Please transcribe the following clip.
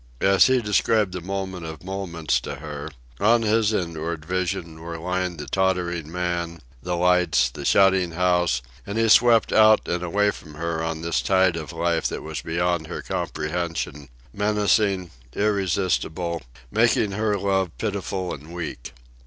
As he described the moment of moments to her, on his inward vision were lined the tottering man, the lights, the shouting house, and he swept out and away from her on this tide of life that was beyond her comprehension, menacing, irresistible, making her love pitiful and weak.